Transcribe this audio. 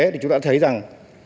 thì chúng ta thấy rằng